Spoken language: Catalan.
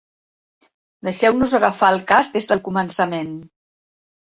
Deixeu-nos agafar el cas des del començament.